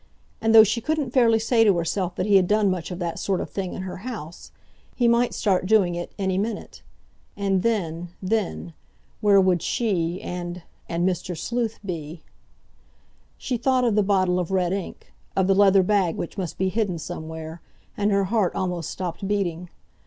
And, though she couldn't fairly say to herself that he had done much of that sort of thing in her house, he might start doing it any minute. And then—then—where would she, and—and Mr. Sleuth, be? She thought of the bottle of red ink—of the leather bag which must be hidden somewhere—and her heart almost stopped beating.